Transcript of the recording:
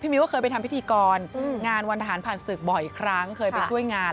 มิ้วเคยไปทำพิธีกรงานวันทหารผ่านศึกบ่อยครั้งเคยไปช่วยงาน